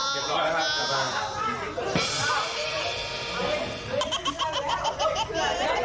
เสร็จแล้วครับ